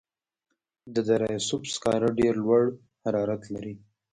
د دره صوف سکاره ډیر لوړ حرارت لري.